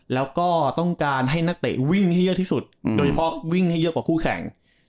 แล้วก็ต้องการให้นักเตะวิ่งให้เยอะที่สุดโดยเฉพาะวิ่งให้เยอะกว่าคู่แข่ง